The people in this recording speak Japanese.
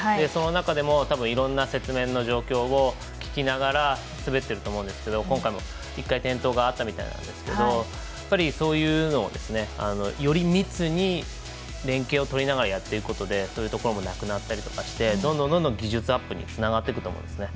その中でもたぶん、いろんな雪面の状況を聞きながら滑っていると思うんですけど今回も１回転倒があったみたいなんですけどそういうのをより密に連携をとりながらやっていくことでそういうこともなくなっていったりしてどんどん、どんどん技術アップにつながってくると思います。